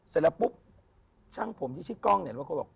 เสร็จแล้วปุ๊บช่างผมที่ชื่อกล้องเนี่ยรถก็บอก